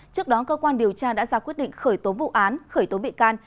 trước đó cơ quan điều tra đã ra quyết định khởi tố vụ án khởi tố bị can